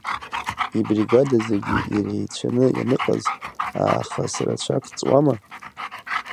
Ибригада зегьы иреицәаны ианыҟаз аахыс рацәак ҵуама?